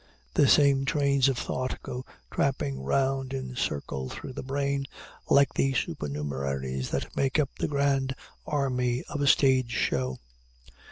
The same trains of thought go tramping round in circle through the brain, like the supernumeraries that make up the grand army of a stage show.